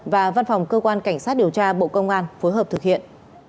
và văn phòng cơ quan cảnh sát điều tra bộ công an phối hợp thực hiện